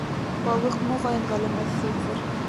Балыҡ, моғайын, ғәләмәт ҙурҙыр.